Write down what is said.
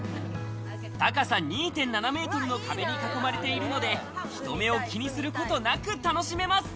高さ２．７メートルの壁に囲まれているので、人目を気にすることなく楽しめます。